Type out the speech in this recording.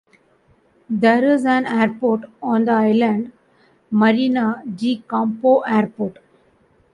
There is an airport on the island, Marina di Campo Airport.